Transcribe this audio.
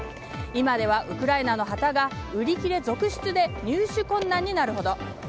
今ではウクライナの旗が売り切れ続出で入手困難になるほど。